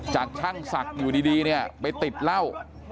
จากช่างศักดิ์อยู่ดีเนี่ยไปติดเหล้า